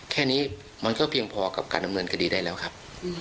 แค่นี้มันก็เพียงพอกับการดำเนินคดีได้แล้วครับ